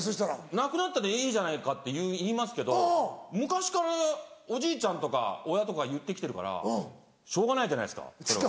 「なくなった」でいいじゃないかって言いますけど昔からおじいちゃんとか親とか言って来てるからしょうがないじゃないですかそれは。